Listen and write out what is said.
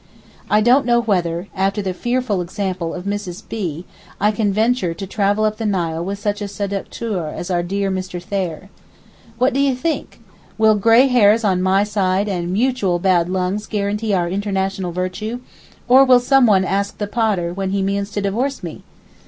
I don't know whether, after the fearful example of Mrs. B., I can venture to travel up the Nile with such a séducteur as our dear Mr. Thayer. What do you think? Will gray hairs on my side and mutual bad lungs guarantee our international virtue; or will someone ask the Pater when he means to divorce me?